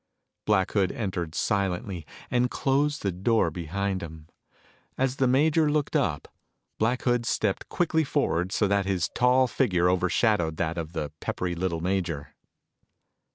Black Hood entered silently and closed the door behind him. As the major looked up, Black Hood stepped quickly forward so that his tall figure over shadowed that of the peppery little major.